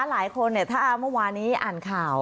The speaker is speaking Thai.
หลายคนถ้าเมื่อวานี้อ่านข่าว